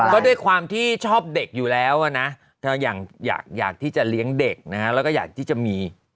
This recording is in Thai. ก็ด้วยความที่ชอบเด็กอยู่แล้วนะอยากที่จะเลี้ยงเด็กนะฮะแล้วก็อยากที่จะมี